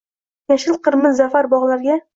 Yashil qirmiz za’far bog’larga